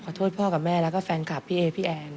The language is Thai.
ขอโทษพ่อกับแม่แล้วก็แฟนคลับพี่เอพี่แอน